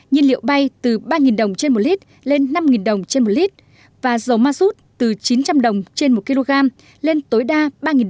nhiên liệu bay từ ba đồng trên một lít lên năm đồng trên một lít và dầu ma rút từ chín trăm linh đồng trên một kg lên tối đa ba đồng